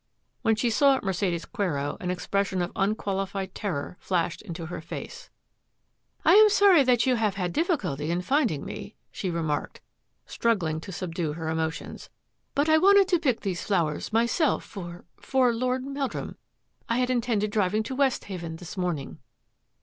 When she saw Mercedes Quero an expression of unqualified terror flashed into her face. " I am sorry that you should have had difficulty in finding me," she remarked, struggling to subdue her emotions, " but I wanted to pick these flowers myself for — for Lord Meldrum. I had intended driving to Westhaven this morning."